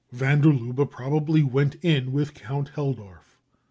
Van der Lubbe probably went in with Count Helldorf.